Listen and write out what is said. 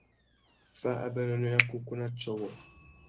Fá abérénô ya kúkú na tiô wôō.